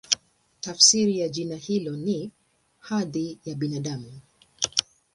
Tafsiri ya jina hilo ni "Hadhi ya Binadamu".